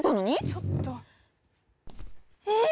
ちょっとええー